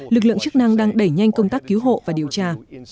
lực lượng chức năng đang đẩy nhanh công tác cứu hộ và điều tra